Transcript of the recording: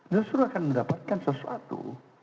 justru akan mendapatkan sesuatu